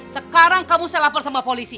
sekarang kamu saya lapor sama polisi